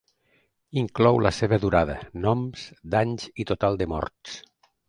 Inclou la seva durada, noms, danys i total de morts.